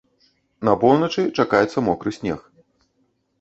На поўначы чакаецца мокры снег.